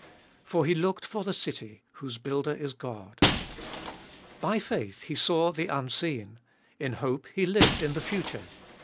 For he looked for the city, whose builder is God. By faith He saw the unseen ; in hope he lived in the future.